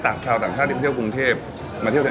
ตามโซเชียลด้วยเหรอ